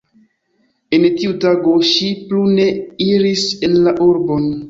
En tiu tago ŝi plu ne iris en la urbon.